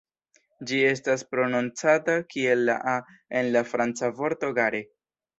Ĝi estas prononcata kiel la "a" en la franca vorto "gare".